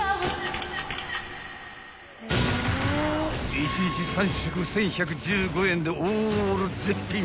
［１日３食１，１１５円でオール絶品］